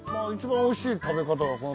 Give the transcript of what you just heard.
一番おいしい食べ方が。